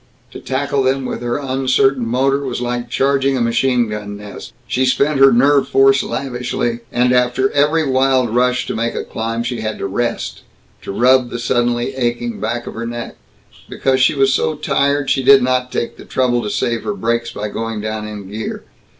To tackle them with her uncertain motor was like charging a machine gun nest. She spent her nerve force lavishly, and after every wild rush to make a climb, she had to rest, to rub the suddenly aching back of her neck. Because she was so tired, she did not take the trouble to save her brakes by going down in gear.